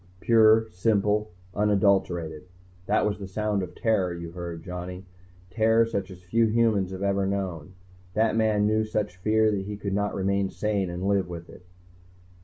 "Pure. Simple. Unadulterated. That was the sound of terror you heard, Johnny. Terror such as few humans have ever known. That man knew such fear he could not remain sane and live with it."